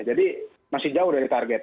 jadi masih jauh dari target